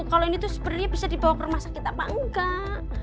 kalau ini tuh sebenarnya bisa dibawa ke rumah sakit apa enggak